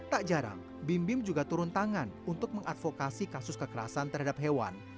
tak jarang bim bim juga turun tangan untuk mengadvokasi kasus kekerasan terhadap hewan